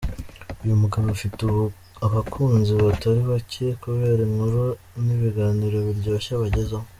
Uyu mugabo afite abakunzi batari bake, kubera inkuru n’ibiganiro biryoshye abagezaho.